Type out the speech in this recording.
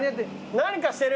何かしてる。